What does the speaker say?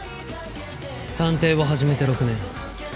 探偵を始めて６年。